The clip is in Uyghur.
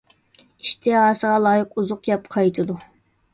ئىشتىھاسىغا لايىق ئۇزۇق يەپ قايتىدۇ .